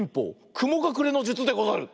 くもがくれのじゅつでござる！